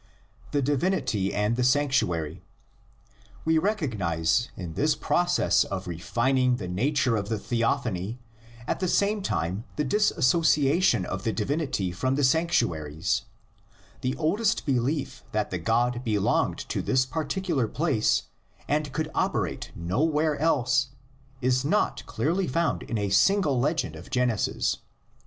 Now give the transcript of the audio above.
THE DIVINITY AND THE SANCTUARY. We recognise in this process of refining the nature of the theophany at the same time the dis sociation of the divinity from the sanctuaries: the oldest belief that the God belonged to this partic ular place and could operate nowhere else, is not clearly found in a single legend of Genesis.